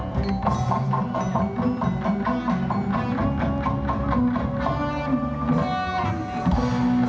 kita beri tepuk tangan ya pria